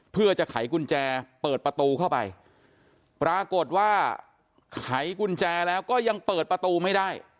เพื่อจะไขกุญแจเปิดประตูเข้าไปปรากฏว่าไขกุญแจแล้วก็ยังเปิดประตูไม่ได้